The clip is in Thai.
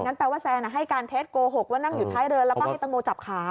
แปลว่าแซนให้การเท็จโกหกว่านั่งอยู่ท้ายเรือแล้วก็ให้ตังโมจับขา